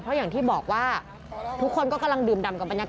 เพราะอย่างที่บอกว่าทุกคนก็กำลังดื่มดำกับบรรยากาศ